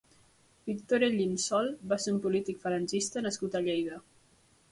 Víctor Hellín Sol va ser un polític falangista nascut a Lleida.